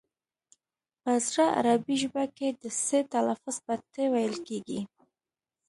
په زړه عربي ژبه کې د ث لفظ په ت ویل کېږي